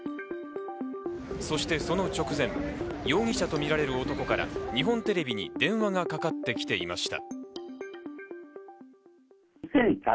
そしてその直前、容疑者とみられる男から日本テレビに電話がかかってきていました。